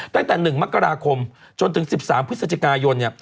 ตั้งแต่๑มกราคมจนถึง๑๓พฤศจิกายน